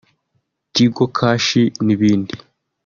Tigo cash n’ibindi